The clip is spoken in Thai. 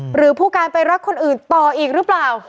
หรือผู้การไปรักคนอื่นต่ออีกหรือเปล่า